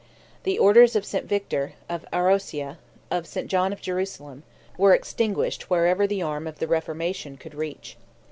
The orders of St. Victor, of Aroacia, of St. John of Jerusalem, were extinguished wherever the arm of the Reformation could reach.